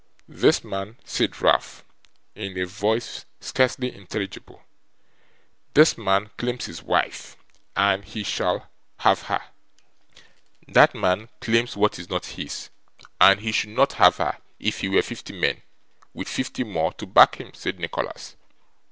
'This man,' said Ralph, in a voice scarcely intelligible, 'this man claims his wife, and he shall have her.' 'That man claims what is not his, and he should not have her if he were fifty men, with fifty more to back him,' said Nicholas.